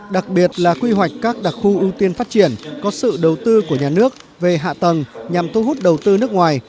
đặc biệt là quy hoạch các đặc khu ưu tiên phát triển có sự đầu tư của nhà nước về hạ tầng nhằm thu hút đầu tư nước ngoài